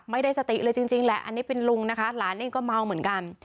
ไม่ได้สติเลยจริงแหละอันนี้เป็นลุงนะคะหลานเองก็เมาเหมือนกัน